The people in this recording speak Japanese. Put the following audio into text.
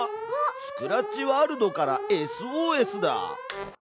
スクラッチワールドからＳＯＳだ！